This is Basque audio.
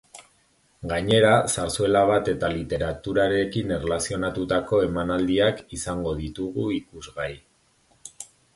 Gainera, zarzuela bat eta literaturarekin erlazionatutako emanaldiak izango ditugu ikusgai.